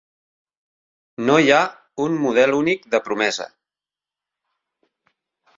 No hi ha un model únic de promesa.